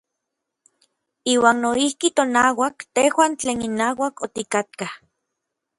Iuan noijki tonauak tejuan tlen inauak otikatkaj.